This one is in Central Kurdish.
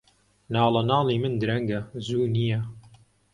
ناڵەناڵی من درەنگە، زوو نییە